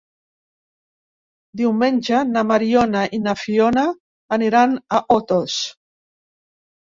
Diumenge na Mariona i na Fiona aniran a Otos.